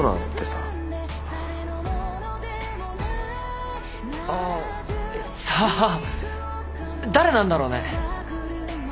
さあ誰なんだろうね。